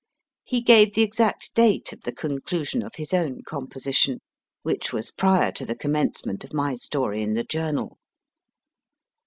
He gave the exact date of the conclusion of his own com position, which was prior to the commencement of my story in the Journal.